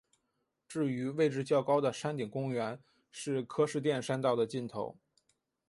至于位置较高的山顶公园是柯士甸山道的尽头。